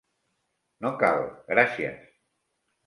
No cal, gràcies.